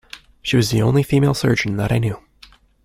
She was the only female surgeon that I knew.